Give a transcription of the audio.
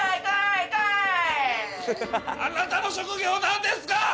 あなたの職業何ですか？